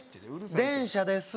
電車です